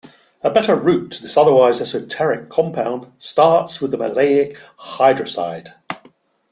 A better route to this otherwise esoteric compound starts with the maleic hydrazide.